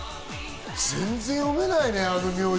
全然読めないね、あの名字。